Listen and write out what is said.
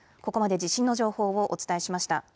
ここまで地震の情報をお伝えしました。